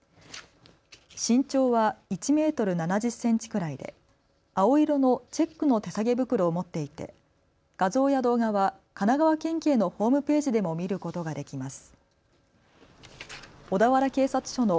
身長は１メートル７０センチくらいで青色のチェックの手提げ袋を持っていて画像や動画は神奈川県警のホームページでも見ることができます。